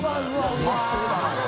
うまそうだなこれ。